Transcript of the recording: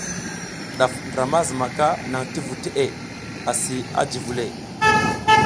Ɗaf ndra ma zumaka naŋ ti vu teʼe asi a ji vule.